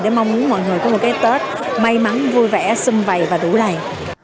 để mong muốn mọi người có một cái tết may mắn vui vẻ xuân vầy và đủ đầy